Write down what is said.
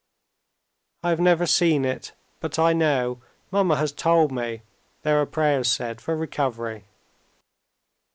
"I have never seen it, but I know, mamma has told me, there are prayers said for recovery."